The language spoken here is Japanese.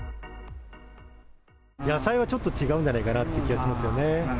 野菜はちょっと違うんじゃないかなっていう気がするんですよね。